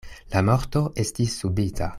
La morto estis subita.